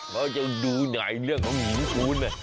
เราจะดูหน่อยเรื่องของหินปูน